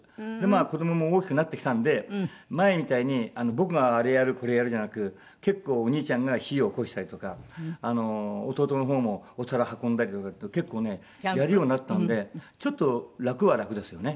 子どもも大きくなってきたんで前みたいに僕があれやるこれやるじゃなく結構お兄ちゃんが火をおこしたりとか弟の方もお皿運んだりとかって結構ねやるようになったのでちょっと楽は楽ですよね。